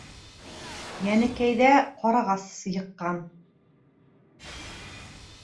— Йәнекәйҙә ҡарағас йыҡҡан.